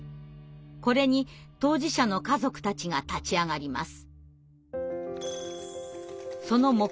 これに当事者の家族たちが立ち上がります。